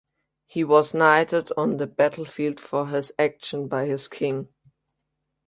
He was knighted on the battlefield for his actions by his king.